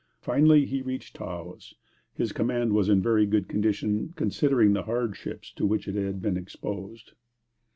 Finally he reached Taos. His command was in a very good condition, considering the hardships to which it had been exposed.